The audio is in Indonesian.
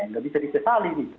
nggak bisa dipetali gitu